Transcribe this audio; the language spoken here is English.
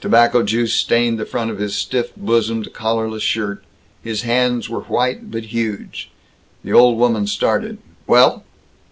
Tobacco juice stained the front of his stiff bosomed, collarless shirt. His hands were white but huge. The old woman started. "Well?"